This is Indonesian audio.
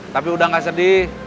tapi udah gak sedih